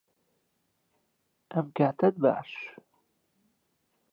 It is in the Lake Superior drainage basin.